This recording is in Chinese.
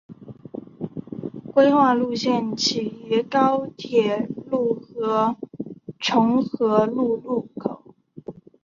规划路线起于高铁路和重和路口路口。